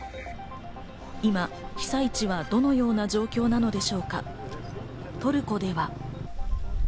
今、被災地はどのような状況なのでしょうか？